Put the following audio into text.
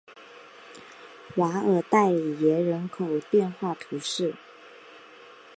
瓦尔代里耶人口变化图示